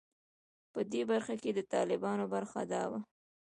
په دې برخه کې د طالبانو برخه دا وه.